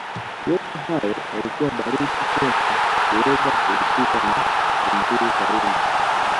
Yote haya yalikuwa baruti tosha kuweza kulipuka na kumdhuru Karume